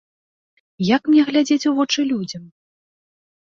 Як мне глядзець у вочы людзям?